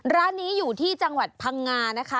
ร้านนี้อยู่ที่จังหวัดพังงานะคะ